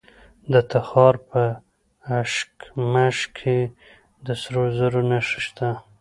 د تخار په اشکمش کې د سرو زرو نښې شته.